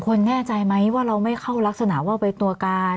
แน่ใจไหมว่าเราไม่เข้ารักษณะว่าไปตัวการ